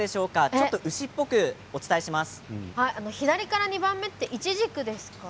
ちょっと牛っぽくお伝えします。